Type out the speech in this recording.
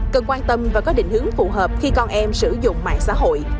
cần quan tâm và có định hướng phù hợp khi con em sử dụng mạng xã hội